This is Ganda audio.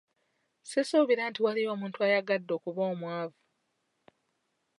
Sisuubira nti waliyo omuntu ayagadde okuba omwavu.